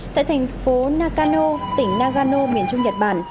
tại thành phố nakano tỉnh nagano miền trung nhật bản